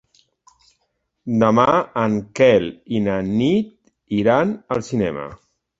Demà en Quel i na Nit iran al cinema.